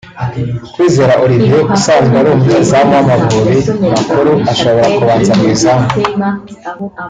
Kwizera Olivier usanzwe ari umunyezamu w’Amavubi makuru ashobora kubanza mu izamu